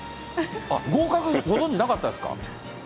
合格、ご存じなかったですか？